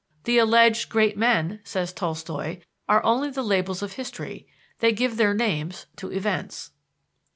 "The alleged great men," says Tolstoi, "are only the labels of history, they give their names to events."